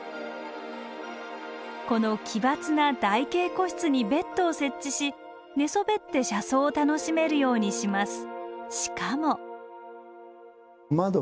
この奇抜な台形個室にベッドを設置し寝そべって車窓を楽しめるようにします。